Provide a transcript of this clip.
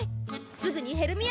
すぐにヘルミア